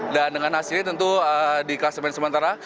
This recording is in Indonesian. dan dengan hasil ini tentu di klasemen sementara